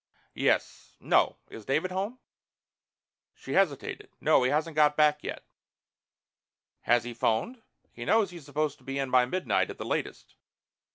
"Yes no. Is David home?" She hesitated. "No, he hasn't got back yet." "Has he phoned? He knows he's supposed to be in by midnight at the latest."